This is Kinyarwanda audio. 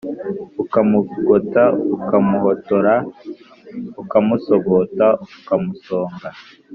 Ukamugota ukamuhotora ukamusogota ukamusonga